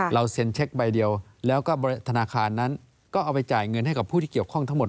เซ็นเช็คใบเดียวแล้วก็ธนาคารนั้นก็เอาไปจ่ายเงินให้กับผู้ที่เกี่ยวข้องทั้งหมด